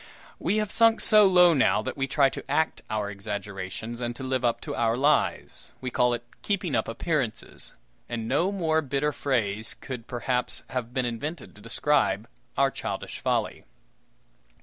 We have sunk so low now that we try to act our exaggerations, and to live up to our lies. We call it "keeping up appearances;" and no more bitter phrase could, perhaps, have been invented to describe our childish folly.